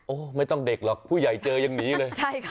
โอ้ไม่ต้องเด็กหรอกผู้ใหญ่เจอยังนี้เลย